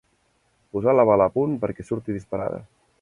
Posar la bala a punt perquè surti disparada.